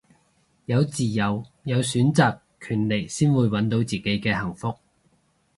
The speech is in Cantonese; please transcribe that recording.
有自由有選擇權利先會搵到自己嘅幸福